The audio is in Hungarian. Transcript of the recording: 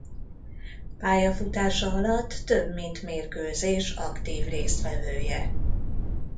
Pályafutása alatt több mint mérkőzés aktív résztvevője.